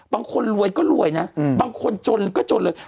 บางคนรวยก็รวยนะบางคนจนก็จนเลย